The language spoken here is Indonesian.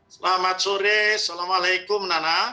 selamat sore assalamualaikum nana